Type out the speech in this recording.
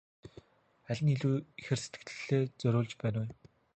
Аль нь илүү ихээр сэтгэлээ зориулж байна вэ?